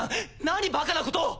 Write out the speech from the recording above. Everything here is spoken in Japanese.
何バカなことを！